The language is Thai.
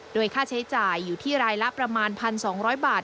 โดยค่าใช้จ่ายอยู่ที่รายละประมาณ๑๒๐๐บาท